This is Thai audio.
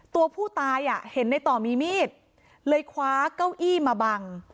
ตัวผู้ตายอ่ะเห็นในต่อมีมีดเลยคว้าเก้าอี้มาบัง